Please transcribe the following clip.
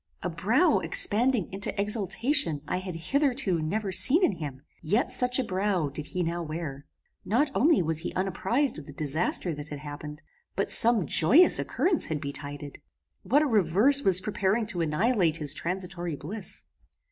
A brow expanding into exultation I had hitherto never seen in him, yet such a brow did he now wear. Not only was he unapprized of the disaster that had happened, but some joyous occurrence had betided. What a reverse was preparing to annihilate his transitory bliss!